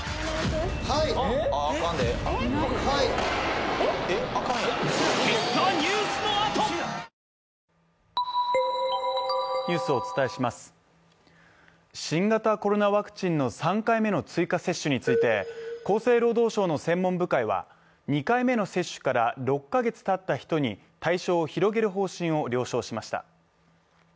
はい・あっアカンで・えっアカンやん嘘やろ新型コロナワクチンの３回目の追加接種について厚生労働省の専門部会は２回目の接種から６カ月たった人に対象を広げる方針を了承しました。